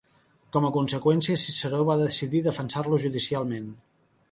Com a conseqüència, Ciceró va decidir defensar-lo judicialment.